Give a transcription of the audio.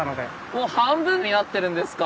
もう半分になってるんですか。